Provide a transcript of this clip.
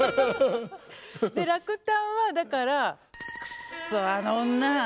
で落胆はだから「クッソあの女。